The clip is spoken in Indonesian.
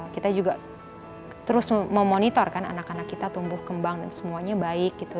kita juga terus memonitor kan anak anak kita tumbuh kembang dan semuanya baik gitu